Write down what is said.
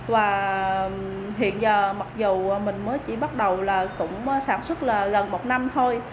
và hiện giờ mặc dù mình mới chỉ bắt đầu là cũng sản xuất là gần một năm thôi